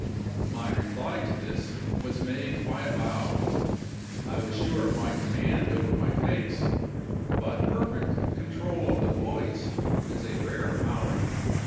My reply to this was made by a bow. I was sure of my command over my face; but perfect control of the voice is a rare power.